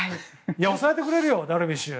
抑えてくれるよ、ダルビッシュ。